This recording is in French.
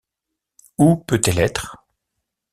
Où peut-elle être?